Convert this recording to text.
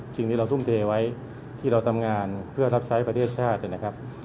สิ่งที่เราทุ่มเทไว้ที่เราทำงานเพื่อรับใช้ประเทศชาตินะครับ